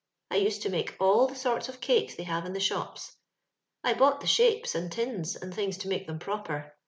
I used to nuike all the sorts of cakes they have in the sbopa. I bought the shapes, and tins, and things to make them proper.